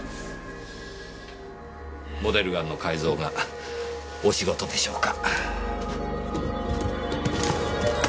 モデルガンの改造がお仕事でしょうか。